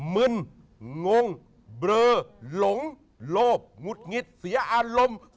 มึนงงเบลอหลงโลภงุดงิดเสียอารมณ์